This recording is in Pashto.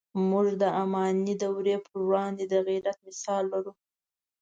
موږ د اماني دورې پر وړاندې د غیرت مثال لرو.